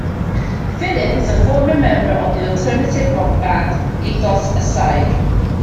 Phillip is a former member of the alternative rock band Egos Aside.